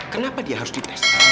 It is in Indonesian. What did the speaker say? kenapa dia harus di tes